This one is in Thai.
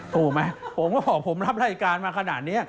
พูดไหมผมรับรายการมาขนาดนี้